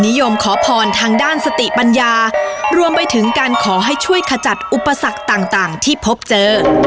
นิยมขอพรทางด้านสติปัญญารวมไปถึงการขอให้ช่วยขจัดอุปสรรคต่างที่พบเจอ